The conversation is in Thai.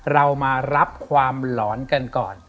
เรามารับความหลอนกันก่อน